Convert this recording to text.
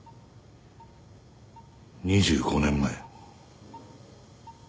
２５年前。